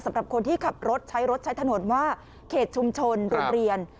สำหรับคนที่ขับรถใช้รถใช้ถนนว่าเขตชุมชนโรงเรียน